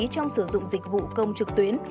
trong sử dụng dịch vụ công trực tuyến